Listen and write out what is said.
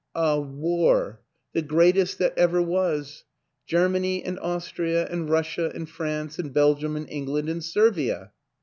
" A War. The Greatest that ever was. Ger many and Austria and Russia and France and Belgium and England and Servia."